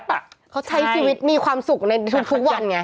ใช่เขาใช้ชีวิตมีความสุขทุกคู่วันอย่างน้อย